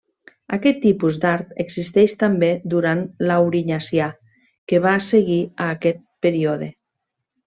Aquest tipus d'art existeix també durant l'aurinyacià, que va seguir a aquest període.